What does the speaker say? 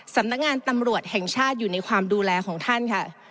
สำนักงานตำรวจแห่งชาติอยู่ในความดูแลของท่านค่ะ